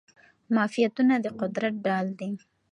معافیتونه د قدرت ډال دي.